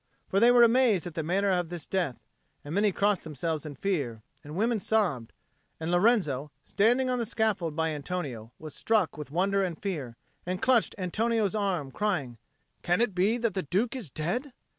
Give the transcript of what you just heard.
For they were amazed at the manner of this death; and many crossed themselves in fear, and women sobbed. And Lorenzo, standing on the scaffold by Antonio, was struck with wonder and fear, and clutched Antonio's arm, crying, "Can it be that the Duke is dead?"